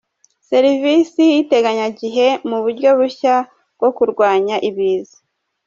Serivisi y’iteganyagihe mu buryo bushya bwo kurwanya ibiza